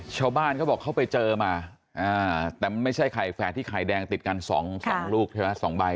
เขาบอกเขาไปเจอมาแต่มันไม่ใช่ไข่แฝดที่ไข่แดงติดกัน๒ลูกใช่ไหม๒ใบ